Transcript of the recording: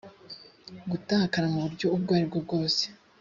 gutakara mu buryo ubwo ari bwo bwose